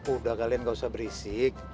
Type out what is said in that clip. udah kalian gak usah berisik